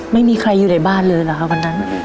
ไม่มีใครอยู่ในบ้านเลยเหรอครับวันนั้น